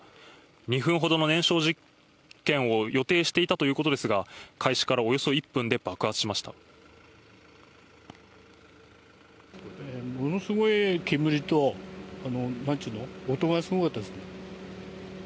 ２分ほどの燃焼実験を予定していたということですが、開始からおものすごい煙と、なんちゅうの、音がすごかったですね。